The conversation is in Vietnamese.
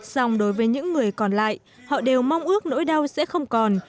xong đối với những người còn lại họ đều mong ước nỗi đau sẽ không còn